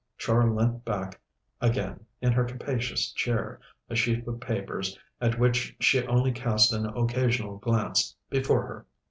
Char leant back again in her capacious chair, a sheaf of papers, at which she only cast an occasional glance, before her.